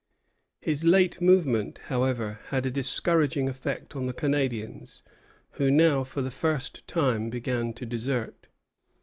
His late movement, however, had a discouraging effect on the Canadians, who now for the first time began to desert.